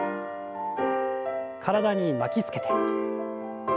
体に巻きつけて。